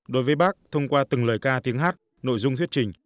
đối với bác thông qua từng lời ca tiếng hát nội dung thuyết trình